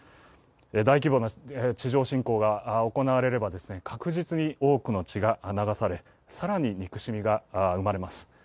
大規模な地上侵攻が行われれば確実に多くの血が流され更に憎しみが生まれます。